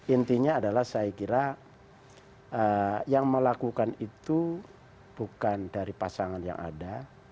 intinya adalah saya kira yang melakukan itu bukan dari pasangan yang ada